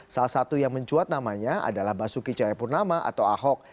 salah satu yang mencuat namanya adalah basuki cahayapurnama atau ahok